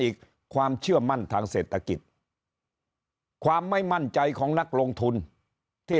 อีกความเชื่อมั่นทางเศรษฐกิจความไม่มั่นใจของนักลงทุนที่